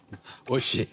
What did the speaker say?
おいしい。